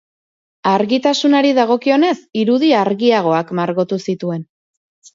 Argitasunari dagokionez, irudi argiagoak margotu zituen.